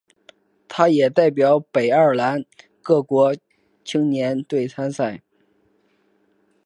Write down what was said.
他也代表北爱尔兰各级国青队参赛。